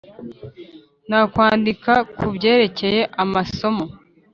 nakwandika kubyerekeye amasomo.